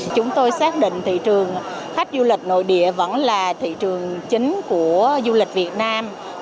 chúng tôi xác định thị trường khách du lịch nội địa vẫn là thị trường chính của du lịch việt nam